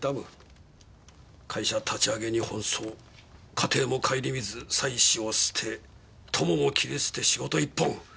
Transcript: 会社立ち上げに奔走家庭も顧みず妻子を捨て友も切り捨て仕事一本。